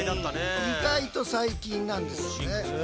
意外と最近なんですよね。